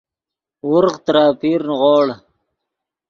ورغ ترے اپیر نیغوڑ